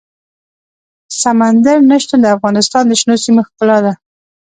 سمندر نه شتون د افغانستان د شنو سیمو ښکلا ده.